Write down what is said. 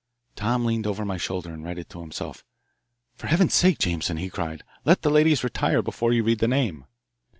Tom leaned over my shoulder and read it to himself. "For Heaven's sake, Jameson," he cried, "let the ladies retire before you read the name."